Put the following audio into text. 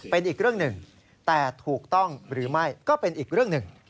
เป็นอีกเรื่องหนึ่งแต่ถูกต้องหรือไม่ก็เป็นอีกเรื่องหนึ่ง